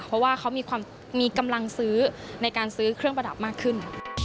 เพราะว่าเขามีกำลังซื้อในการซื้อเครื่องประดับมากขึ้น